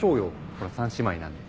ほら三姉妹なんで。